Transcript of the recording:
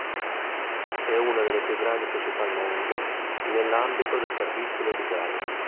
È una delle più grandi società al mondo nell'ambito dei servizi medicali.